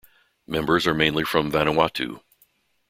Members are mainly from Vanuatu.